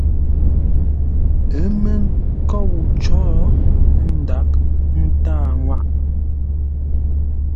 Ə́ mə́ nkôu có, ə́ ndaghʼ ńtâa ŋwâʼ.